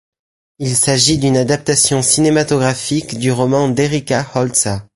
Il s'agit d'une adaptation cinématographique du roman d'Erika Holzer '.